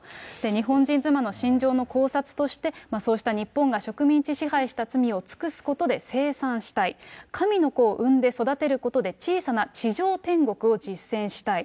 日本人妻の心情の考察としてそうした日本が植民地支配した罪を尽くすことで、清算したい、神の子を生んで育てることで小さな地上天国を実践したい。